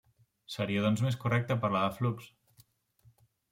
Seria doncs més correcte parlar de flux.